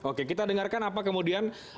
oke kita dengarkan apa kemudian